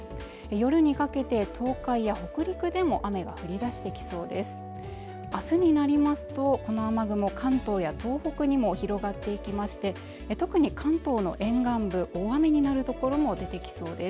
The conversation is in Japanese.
夜にかけて東海や北陸でも雨が降り出してきそうです